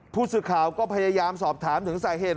ผู้สื่อข่าวก็พยายามสอบถามถึงสาเหตุ